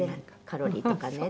カロリーとかね。